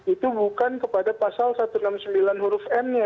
itu bukan kepada pasal satu ratus enam puluh sembilan huruf n nya